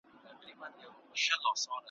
هر گړی راته تر سترگو سترگو کېږې `